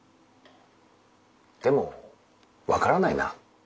でも分からないな。